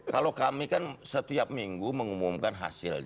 kalau kami kan setiap minggu mengumumkan hasil